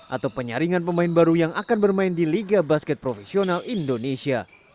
atau penyaringan pemain baru yang akan bermain di liga basket profesional indonesia